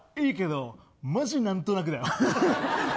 いいけどマジなんとなくだよ。